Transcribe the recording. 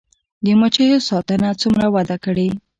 د مچیو ساتنه څومره وده کړې؟